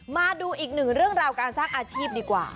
มาดูอีกหนึ่งเรื่องราวการสร้างอาชีพดีกว่า